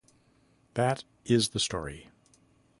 That is the story.